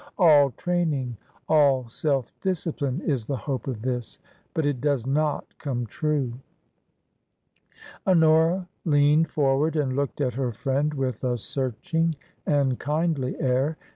All training — all self discipline is the hope of this. But it does not come true." Honora leaned forward and looked at her friend with a searching and kindly air.